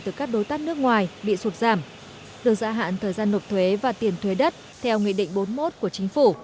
từ các đối tác nước ngoài bị sụt giảm được giã hạn thời gian nộp thuế và tiền thuế đất theo nghị định bốn mươi một của chính phủ